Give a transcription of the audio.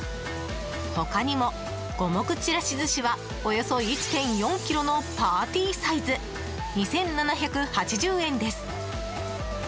他にも、五目ちらし寿司はおよそ１．４ｋｇのパーティーサイズ２７８０円です。